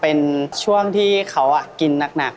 เป็นช่วงที่เขากินหนัก